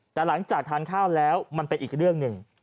แต่หลังจากทานข้าวแล้วมันเป็นอีกเรื่องหนึ่ง